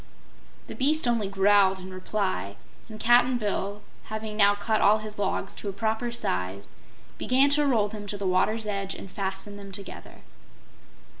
The beast only growled in reply, and Cap'n Bill, having now cut all his logs to a proper size, began to roll them to the water's edge and fasten them together.